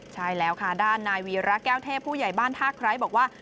ใช่แล้วค่ะด้านนายวีระแก้วเทพผู้ใหญ่บ้านท่าไคร้บอกว่า